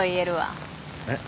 えっ？